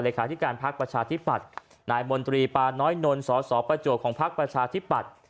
ขาธิการพักประชาธิปัตย์นายมนตรีปาน้อยนนสสประจวบของพักประชาธิปัตย์